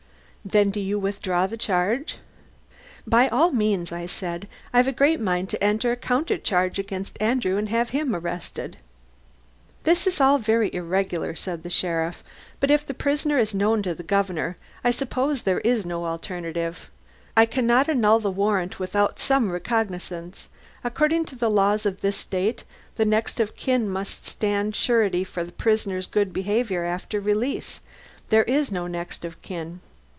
"Then do you withdraw the charge?" "By all means," I said. "I've a great mind to enter a counter charge against Andrew and have him arrested." "This is all very irregular," said the sheriff, "but if the prisoner is known to the Governor, I suppose there is no alternative. I cannot annul the warrant without some recognizance. According to the laws of this State the next of kin must stand surety for the prisoner's good behaviour after release. There is no next of kin...."